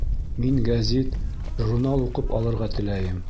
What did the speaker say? Мин гәзит, журнал уҡып алырға теләйем